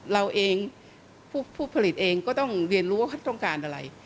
เราเองผู้ผลิตเองก็ต้องเรียนรู้ว่าเขาต้องการอะไร